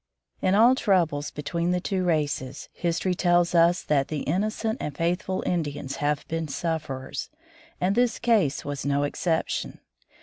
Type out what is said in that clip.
In all troubles be tween the two races, history tells us that the innocent and faithful Indians have been sufferers, and this case was no exception.